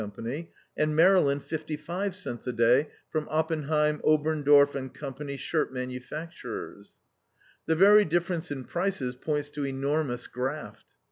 Co., and Maryland 55 cents a day from Oppenheim, Oberndorf & Co., shirt manufacturers. The very difference in prices points to enormous graft.